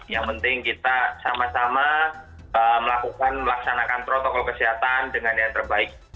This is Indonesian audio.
yang penting kita sama sama melakukan melaksanakan protokol kesehatan dengan yang terbaik